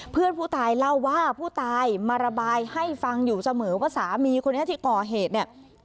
เพื่อนผู้ตายเล่าว่าผู้ตายมาระบายให้ฟังอยู่เสมอว่าสามีคนนี้ที่ก่อเหตุเนี่ย